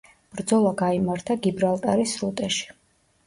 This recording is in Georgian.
ბრძოლა გაიმართა გიბრალტარის სრუტეში.